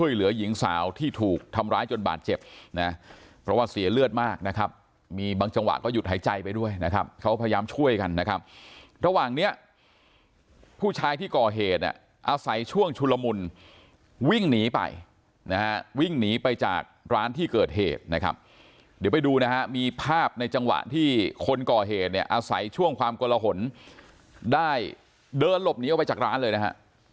หยุดหายใจไปด้วยนะครับเขาพยายามช่วยกันนะครับระหว่างเนี้ยผู้ชายที่ก่อเหตุเนี่ยอาศัยช่วงชุลมุนวิ่งหนีไปนะฮะวิ่งหนีไปจากร้านที่เกิดเหตุนะครับเดี๋ยวไปดูนะฮะมีภาพในจังหวะที่คนก่อเหตุเนี่ยอาศัยช่วงความกละหละหนได้เดินหลบหนีออกไปจากร้านเลยนะฮะ